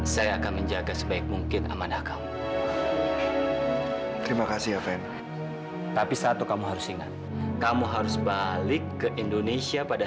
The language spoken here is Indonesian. sampai jumpa di video selanjutnya